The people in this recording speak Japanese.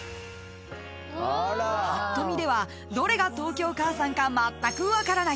［ぱっと見ではどれが東京かあさんかまったく分からない